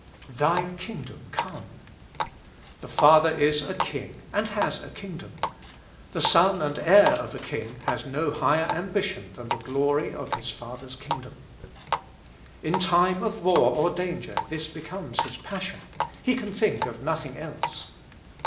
" Thy kingdom corned The Father is a King and has a kingdom. The son and heir of a king has no higher ambition than the glory of his father's kingdom. In time of war or danger this becomes his passion ; he can think of nothing else.